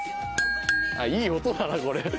いい音だなこれ。